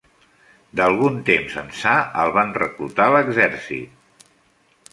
D'algun temps ençà, el van reclutar a l'exèrcit.